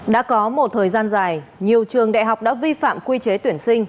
đã có một thời gian dài nhiều trường đại học đã vi phạm quy chế tuyển sinh